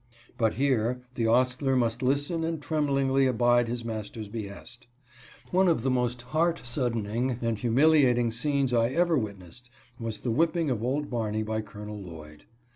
But here the ostler must listen and trem blingly abide his master's behest. One of the most heart saddening and humiliating scenes I ever witnessed was the whipping of old Barney by Col. Lloyd.